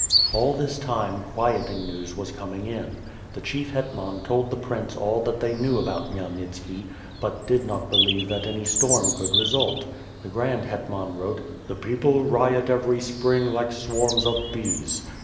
All this time quieting news was coming in. The chief hetman told the prince all that the knew about Khymelnit ski; but did not believe that any storm could result. The Grand Hetman wrote: "The people riot every Spring like swarms of bees."